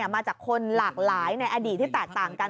มาจากคนหลากหลายในอดีตที่แตกต่างกัน